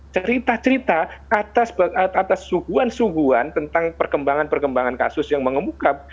cerita cerita atas suguhan suguhan tentang perkembangan perkembangan kasus yang mengemuka